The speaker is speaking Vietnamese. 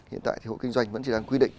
hiện tại thì hộ kinh doanh vẫn chỉ đang quy định